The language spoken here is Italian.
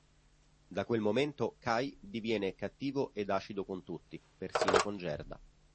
Da quel momento Kay diviene cattivo ed acido con tutti, persino con Gerda.